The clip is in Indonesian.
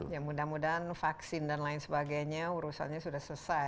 ya mudah mudahan vaksin dan lain sebagainya urusannya sudah selesai